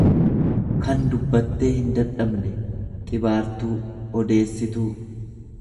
kan dubbattee hindadhabne, xibaartuu, odeessituu.